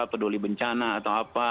peduli bencana atau apa